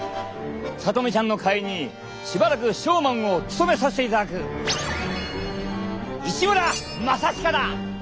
さとみちゃんの代わりにしばらくショーマンを務めさせていただく市村正親だ！